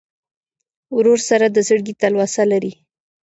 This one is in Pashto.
ورور سره د زړګي تلوسه لرې.